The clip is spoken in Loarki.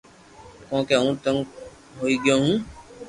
ڪونڪ ھون تنگ ھوئي گيو ھون